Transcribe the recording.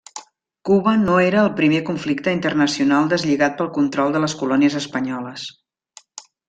Cuba no era el primer conflicte internacional deslligat pel control de les colònies espanyoles.